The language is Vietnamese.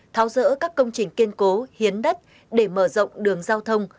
thao dỡ các công trình kiên cố hiến đất để mở rộng đường giao thông